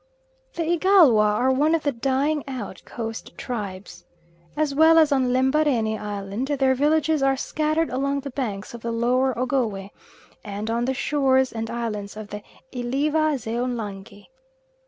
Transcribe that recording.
The Igalwa are one of the dying out coast tribes. As well as on Lembarene Island, their villages are scattered along the banks of the Lower Ogowe, and on the shores and islands of Eliva Z'Onlange.